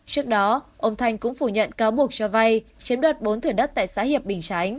trước đó ông thanh cũng phủ nhận cáo buộc cho vay chiếm đoạt bốn thửa đất tại xã hiệp bình chánh